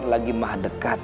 yang lagi maha dekat